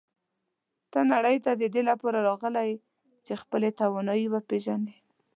ته نړۍ ته د دې لپاره راغلی یې چې خپلې توانایی وپېژنې.